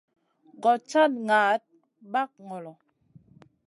Goɗ cad naʼaɗ ɓag ŋolo.